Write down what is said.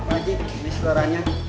pakcik ini seterannya